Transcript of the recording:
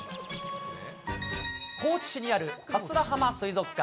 高知市にある桂浜水族館。